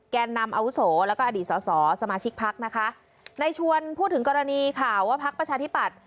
แกนนำอาวุโสแล้วก็อดีตสอสอสมาชิกพักนะคะในชวนพูดถึงกรณีข่าวว่าพักประชาธิปัตย